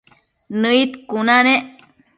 Nëid cuna nec